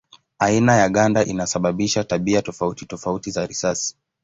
Aina ya ganda inasababisha tabia tofauti tofauti za risasi.